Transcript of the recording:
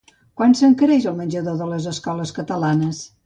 Quant s'encareix el menjador de les escoles catalanes?